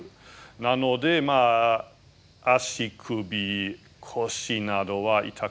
なのでまあ足首腰などは痛くなるんですね。